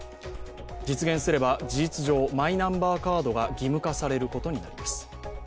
実現すれば事実上、マイナンバーカードが義務化されることになります。